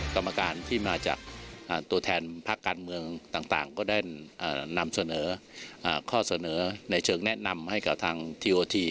กรรมการที่มาจากตัวแทนพักการเมืองต่างก็ได้นำเสนอข้อเสนอในเชิงแนะนำให้กับทางทีโอที